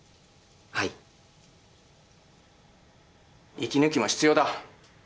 息抜きも必要だ。